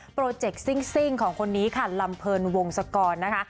โปรเจคซิ่งของคนนี้ค่ะลำเพิร์นวงสกรนะคะ